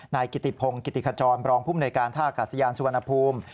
นายกิติพงศ์กิติขจรบรองภูมิหน่วยการท่ากาศยานสุวรรณภูมิ